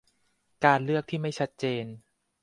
การเลือกที่ไม่ชัดเจน